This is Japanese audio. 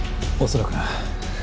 おそらくな。